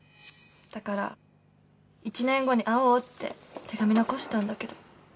だから１年後に会おうって手紙残したんだけど。